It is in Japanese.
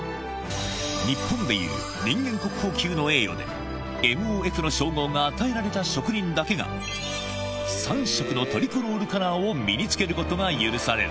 日本でいう人間国宝級の栄誉で、ＭＯＦの称号が与えられた職人だけが、３色のトリコロールカラーを身に着けることが許される。